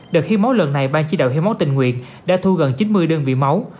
đợt hiến máu lần này ban chỉ đạo hiến máu tình nguyện đã thu gần chín mươi đơn vị máu